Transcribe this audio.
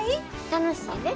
楽しいで。